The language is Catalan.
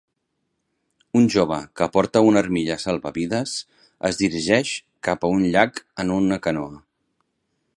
Un jove que porta una armilla salvavides es dirigeix cap a un llac en una canoa.